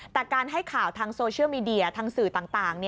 แต่การให้ข่าวทางโซเชียลมีเดียทางสื่อต่าง